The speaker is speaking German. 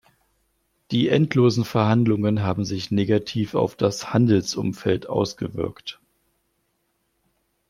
Die endlosen Verhandlungen haben sich negativ auf das Handelsumfeld ausgewirkt.